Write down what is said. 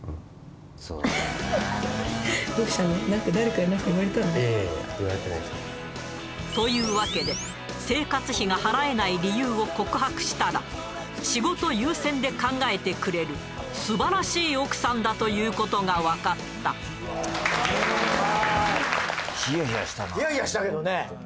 いやいやいや言われてないですというわけで生活費が払えない理由を告白したら仕事優先で考えてくれるすばらしい奥さんだということが分かったヒヤヒヤしたけどね